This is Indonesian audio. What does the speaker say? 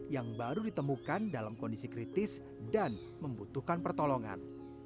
yang baru ditemukan dalam kondisi kritis dan membutuhkan pertolongan